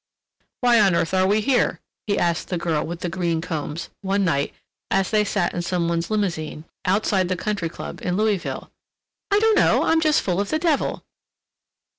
"Why on earth are we here?" he asked the girl with the green combs one night as they sat in some one's limousine, outside the Country Club in Louisville. "I don't know. I'm just full of the devil."